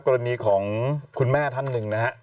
กรณีของคุณแม่ท่านหนึ่งนะฮะ